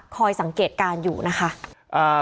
สังเกตการณ์อยู่นะคะ